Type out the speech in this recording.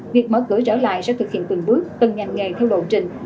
việc mở cửa trở lại sẽ thực hiện từng bước từng ngành nghề theo lộ trình